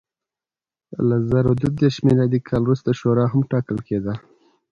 له زر دوه دېرش میلادي کال وروسته شورا هم ټاکل کېده.